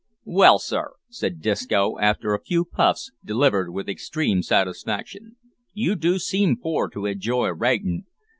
"Well, sir," said Disco, after a few puffs delivered with extreme satisfaction, "you do seem for to enjoy writin'.